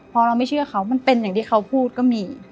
พอเราไม่เชื่อเขามันเป็นอย่างที่เขาพูดก็มี